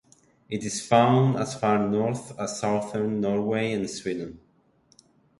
It is found as far north as southern Norway and Sweden.